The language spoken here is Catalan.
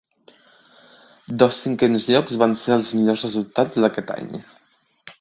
Dos cinquens llocs van ser els millors resultats d'aquest any.